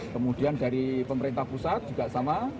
kemudian dari pemerintah pusat juga sama